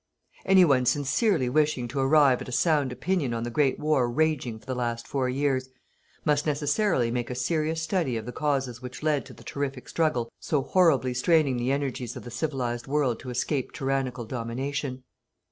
Any one sincerely wishing to arrive at a sound opinion on the great war raging for the last four years, must necessarily make a serious study of the causes which led to the terrific struggle so horribly straining the energies of the civilized world to escape tyrannical domination.